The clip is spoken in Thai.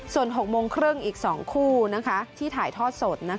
ส่วน๖โมงครึ่งอีก๒คู่ที่ถ่ายทอดสด